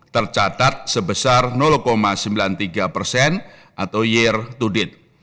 tercatat sebesar sembilan puluh tiga persen atau year to date